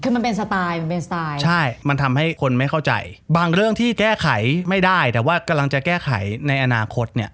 คือมันเป็นสไตล์มันเป็นสไตล์ใช่มันทำให้คนไม่เข้าใจบางเรื่องที่แก้ไขไม่ได้แต่ว่ากำลังจะแก้ไขในอนาคตเนี่ย